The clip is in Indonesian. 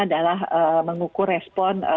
adalah mengukur respon